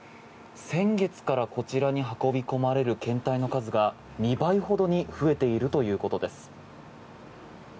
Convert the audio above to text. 先月からこちらに運び込まれる検体の数が２倍ほどに増えているということです。